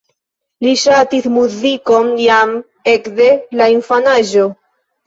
Li ŝatis muzikon jam ekde la infanaĝo.